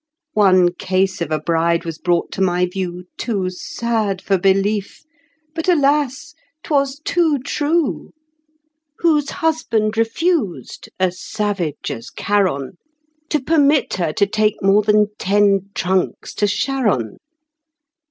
One case of a bride was brought to my view, Too sad for belief, but alas! 'twas too true, Whose husband refused, as savage as Charon, To permit her to take more than ten trunks to Sharon.